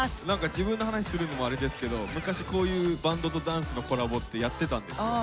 何か自分の話するのもあれですけど昔こういうバンドとダンスのコラボってやってたんですよ。